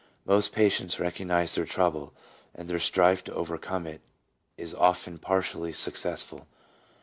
Most patients recognize their trouble, and their strife to overcome it is often partially suc cessful.